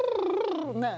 ねえ。